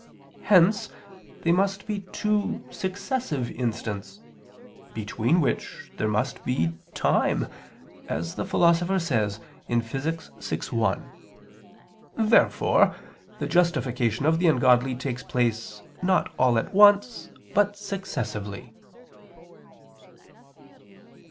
Hence they must be two successive instants; between which there must be time, as the Philosopher says (Phys. vi, 1). Therefore the justification of the ungodly takes place not all at once, but successively.